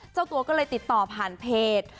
เจ้าตัวก็เลยติดต่อผ่านเพจ